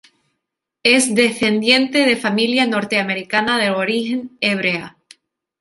Es descendiente de familia norteamericana de origen hebrea.